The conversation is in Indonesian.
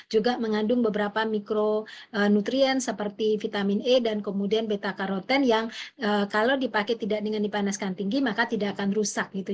juga mengandung beberapa mikronutrien seperti vitamin e dan kemudian beta karoten yang kalau dipakai tidak dengan dipanaskan tinggi maka tidak akan rusak gitu